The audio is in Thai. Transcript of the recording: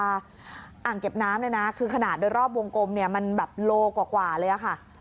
อ่างเก็บน้ำคือขนาดโดยรอบวงกลมมันบางคิดกว่าเลย